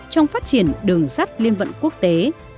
trong phát triển đường sắt liên vận quốc tế